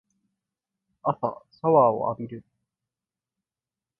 朝シャワーを浴びる